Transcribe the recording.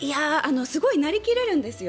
すごいなり切れるんですよ。